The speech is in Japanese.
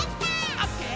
「オッケー！